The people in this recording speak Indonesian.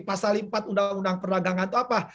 pasal empat undang undang perdagangan itu apa